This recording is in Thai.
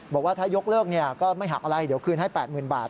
บอกว่าถ้ายกเลิกก็ไม่หักอะไรเดี๋ยวคืนให้๘๐๐๐บาท